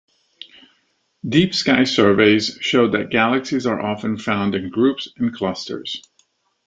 Deep sky surveys show that galaxies are often found in groups and clusters.